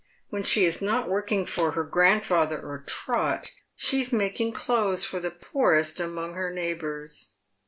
When she is not working for her grandfather or Trot she is making clothes for the poorest among her neighbours.